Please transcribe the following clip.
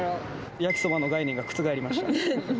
焼きそばの概念が覆りました。